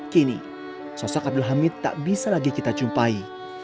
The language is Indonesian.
kini sosok abdul hamid tak bisa lagi kita jumpai